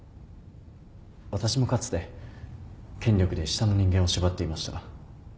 私もかつて権力で下の人間を縛っていました。